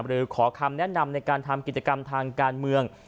หรือขอคำแนะนำในการทำกิจกรรมทางการเมือง